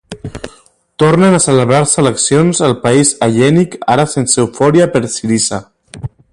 Tornen a celebrar-se eleccions al país hel·lènic, ara sense eufòria per Syriza.